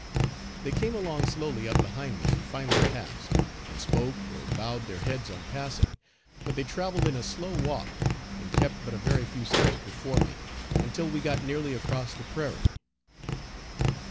They came along slowly up behind me, and finally passed, and spoke or bowed their heads on passing, but they traveled in a slow walk and kept but a very few steps before me, until we got nearly across the prairie.